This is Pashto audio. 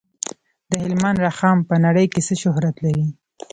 د هلمند رخام په نړۍ کې څه شهرت لري؟